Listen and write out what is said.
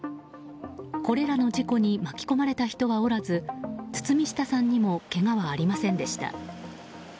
これらの事故に巻き込まれた人はおらず堤下さんにもけがはありませんでした。